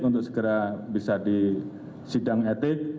untuk segera bisa disidang etik